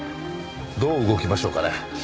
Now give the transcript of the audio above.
どう動きましょうかね？